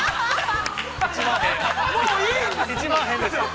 ◆もういいんです。